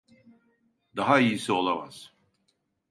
Daha iyisi olamaz.